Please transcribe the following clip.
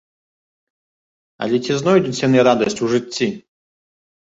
Але ці знойдуць яны радасць у жыцці?